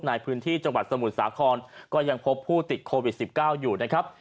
ในพื้นที่จังหวัดสมุทรสาครก็ยังพบผู้ติดโควิด๑๙อยู่นะครับ